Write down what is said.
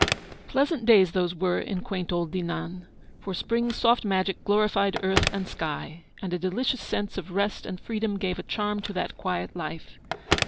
Pleasant days those were in quaint old Dinan; for spring's soft magic glorified earth and sky, and a delicious sense of rest and freedom gave a charm to that quiet life.